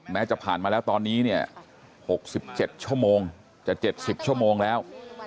จะผ่านมาแล้วตอนนี้เนี่ย๖๗ชั่วโมงจะ๗๐ชั่วโมงแล้ว